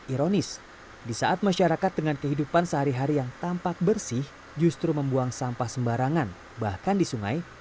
ironis di saat masyarakat dengan kehidupan sehari hari yang tampak bersih justru membuang sampah sembarangan bahkan di sungai